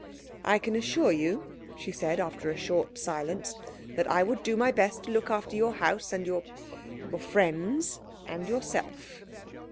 "I can assure you," she said after a short silence, "that I would do my best to look after your house and your your friends and yourself."